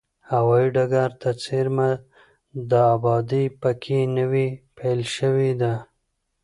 هوایي ډګر ته څېرمه ده، ابادي په کې نوې پیل شوې ده.